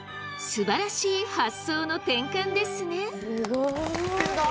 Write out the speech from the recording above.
すばらしい発想の転換ですね！